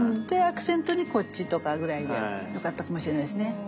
でアクセントにこっちとかぐらいでよかったかもしれないですね。